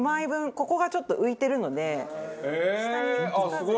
ここがちょっと浮いてるので下につかずに。